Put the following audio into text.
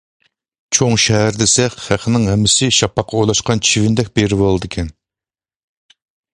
چوڭ شەھەر دېسە خەقنىڭ ھەممىسى شاپاققا ئولاشقان چىۋىندەك بېرىۋالىدىكەن.